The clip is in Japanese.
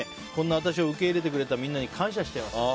私を受け入れてくれたみんなに感謝しています。